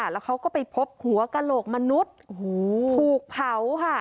แล้วเขาก็ไปพบหัวกระโหลกมนุษย์ถูกเผาค่ะ